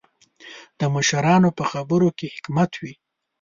د مشرانو په خبرو کې حکمت وي.